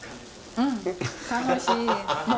うん楽しいです。